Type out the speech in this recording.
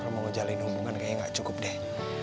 kalo mau ngejaliin hubungan kayaknya gak cukup deh